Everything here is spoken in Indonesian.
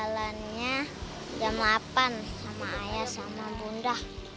aku bangunnya setengah tujuh jalannya jam delapan sama ayah sama bunda